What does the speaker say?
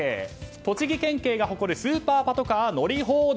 栃木県警が誇るスーパーパトカー乗り放題。